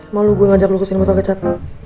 mau gue ngajak lo kesini botol kecap